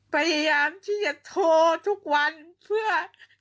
พยายามที่จะโทรทุกวันเพื่อ